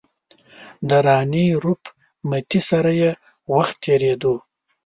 د راني روپ متي سره یې وخت تېرېدو.